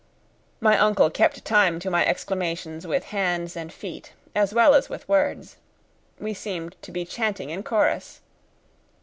My uncle kept time to my exclamations with hands and feet, as well as with words. We seemed to be chanting in chorus!